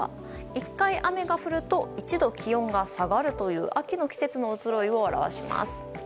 １回、雨が降ると１度、気温が下がるという秋の季節の移ろいを表します。